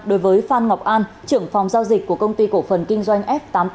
đối với phan ngọc an trưởng phòng giao dịch của công ty cổ phần kinh doanh f tám mươi tám